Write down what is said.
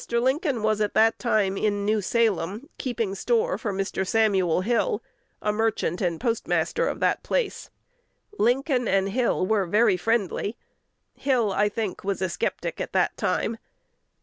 Lincoln was at that time in New Salem, keeping store for Mr. Samuel Hill, a merchant and postmaster of that place. Lincoln and Hill were very friendly. Hill, I think, was a sceptic at that time.